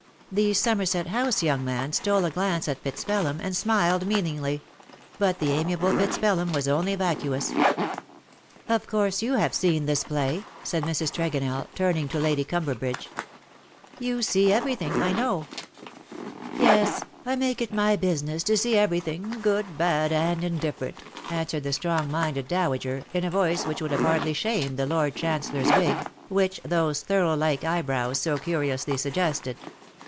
The Somerset House young man stole a glance at Fitz Pelham, and smiled meaningly ; but the amiable FitzPelham was only vacuous. LE SECRET DE POLICHINELLE. 233 " Of course you have seen this play/^ said Mrs. Tregonell, turning to Lady Cumberbridge. " You see everything, I know?^^ ^' Yes ; I make it my business to see every thing — good, bad, and indifferent/" answered the strong minded dowager, in a voice which would hardly have shamed the Lord Chancellor's wig, which those Thurlow like eyebrows so curiously suggested.